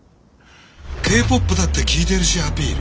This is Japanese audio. Ｋ−ＰＯＰだって聴いてるしアピール。